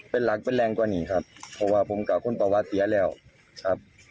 เป็นหลักเป็นแรงกว่านี้ครับเพราะว่าผมกับคนประวัติเสียแล้วครับ